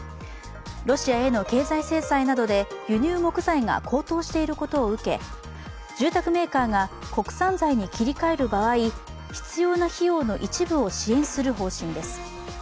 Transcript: ロシアへの経済制裁などで輸入木材が高騰していることを受け住宅メーカーが国産材に切り替える場合、必要な費用の一部を支援する方針です。